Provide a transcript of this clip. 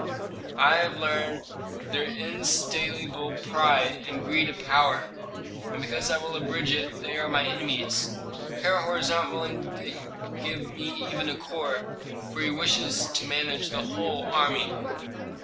"I have learned their insatiable pride, and greed of power. And because I will abridge it they are my enemies. Herhor is not willing to give me even a corps, for he wishes to manage the whole army."